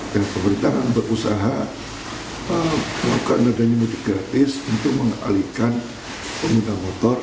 dan pemerintah akan berusaha melakukan adanya mudik gratis untuk mengalihkan pemuda motor